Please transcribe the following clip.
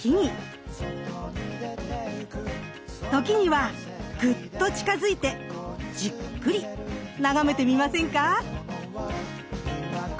時にはグッと近づいてじっくり眺めてみませんか。